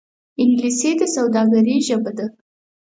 انګلیسي د سوداګرۍ ژبه ده